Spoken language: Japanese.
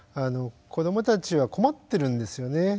子どもたちは困ってるんですよね。